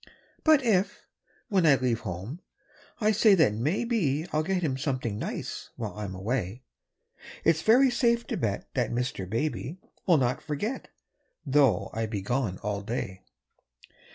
But if, when I leave home, I say that maybe I'll get him something nice while I'm away, It's very safe to bet that Mr. Baby Will not forget, though I be gone all day.